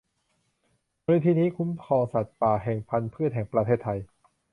มูลนิธิคุ้มครองสัตว์ป่าและพรรณพืชแห่งประเทศไทย